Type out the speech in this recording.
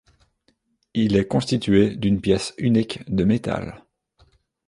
Il est constitué d'une pièce unique de métal.